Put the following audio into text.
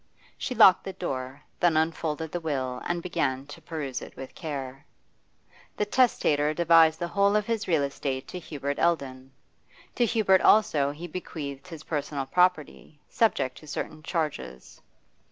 She locked the door, then unfolded the will and began to peruse it with care. The testator devised the whole of his real estate to Hubert Eldon; to Hubert also he bequeathed his personal property, subject to certain charges.